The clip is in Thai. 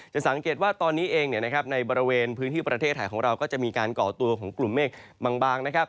สังเกตว่าตอนนี้เองในบริเวณพื้นที่ประเทศไทยของเราก็จะมีการก่อตัวของกลุ่มเมฆบางนะครับ